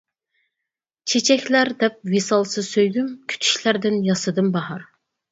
چېچەكلەر دەپ ۋىسالسىز سۆيگۈم، كۈتۈشلەردىن ياسىدىم باھار.